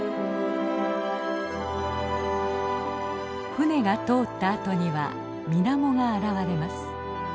舟が通ったあとには水面が現れます。